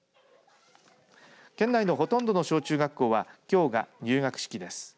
県内のほとんどの小中学校はきょうが入学式です。